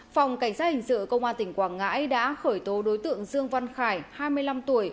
phòng cảnh sát hình sự công an tỉnh quảng ngãi đã khởi tố đối tượng dương văn khải hai mươi năm tuổi